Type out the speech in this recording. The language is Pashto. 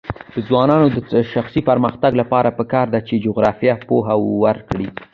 د ځوانانو د شخصي پرمختګ لپاره پکار ده چې جغرافیه پوهه ورکړي.